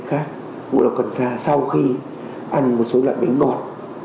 khác bộ độc cần xa sau khi ăn một số loại bánh ngọt